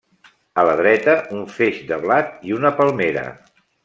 A la dreta, un feix de blat i una palmera.